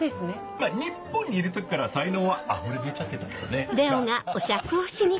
まぁ日本にいる時から才能はあふれ出ちゃってたけどねなっ！